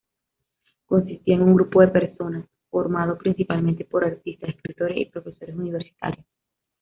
Consistía en un grupo de personas, formado principalmente por artistas, escritores y profesores universitarios.